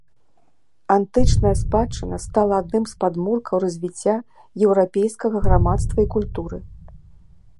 Антычная спадчына стала адным з падмуркаў развіцця еўрапейскага грамадства і культуры.